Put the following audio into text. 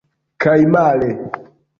Kaj male.